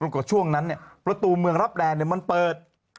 รวมกับช่วงนั้นเนี่ยประตูเมืองรับแรงเนี่ยมันเปิด